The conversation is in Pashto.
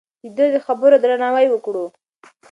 د ده د خبرو درناوی وکړو.